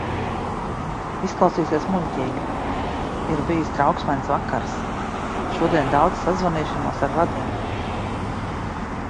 Izklausīsies muļķīgi. Ir bijis trauksmains vakars. Šodien daudz sazvanīšanos ar radiem.